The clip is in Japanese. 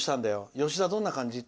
吉田、どんな感じ？って。